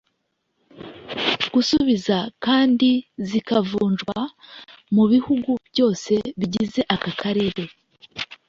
gusubiza kandi zikavunjwa mu bihugu byose bigize aka karere